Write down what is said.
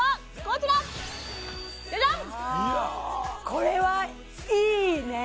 これはいいね！